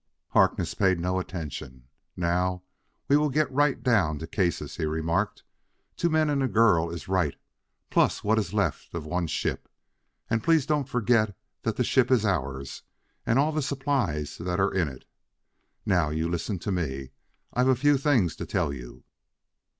Harkness paid no attention. "Now we will get right down to cases," he remarked. "Two men and a girl is right plus what is left of one ship. And please don't forget that the ship is ours and all the supplies that are in it. Now, you listen to me; I've a few things to tell you."